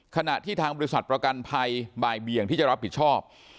ขณะที่ทางบริษัทประกันภัยบ่ายเบียงที่จะรับผิดชอบ